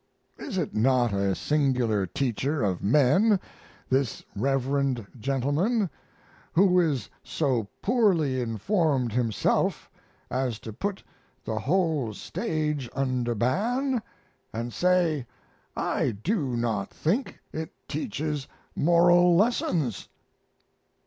Is it not a singular teacher of men, this reverend gentleman who is so poorly informed himself as to put the whole stage under ban, and say, "I do not think it teaches moral lessons"?